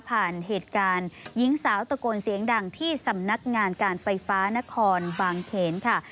เหตุการณ์หญิงสาวตะโกนเสียงดังที่สำนักงานการไฟฟ้านครบางเขนค่ะ